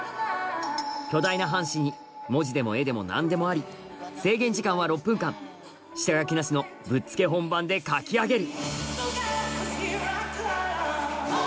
巨大な半紙に文字でも絵でも何でもあり制限時間は６分間下書きなしのぶっつけ本番で書き上げる